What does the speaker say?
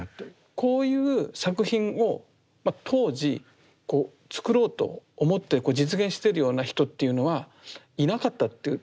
こういう作品を当時作ろうと思って実現してるような人っていうのはいなかったっていう？